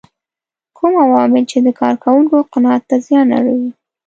کوم عوامل چې د کار کوونکو قناعت ته زیان اړوي.